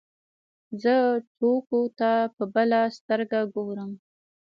زه ټوکو ته په بله سترګه ګورم.